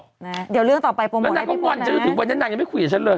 เดี๋ยวเรื่องต่อไปโปรโมทแล้วนางก็งอนจนถึงวันนี้นางยังไม่คุยกับฉันเลย